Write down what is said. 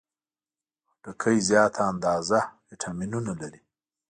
خټکی زیاته اندازه ویټامینونه لري.